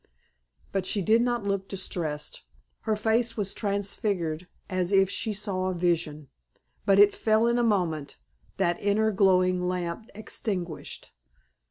But she did not look distressed. Her face was transfigured as if she saw a vision. But it fell in a moment, that inner glowing lamp extinguished.